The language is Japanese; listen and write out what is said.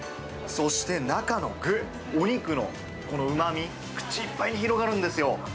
そして、中の具、お肉のこのうまみ、口いっぱいに広がるんですよ。